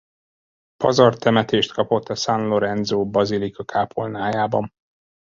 Pazar temetést kapott a San Lorenzo-bazilika kápolnájában.